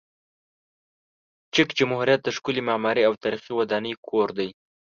چک جمهوریت د ښکلې معماري او تاریخي ودانۍ کور دی.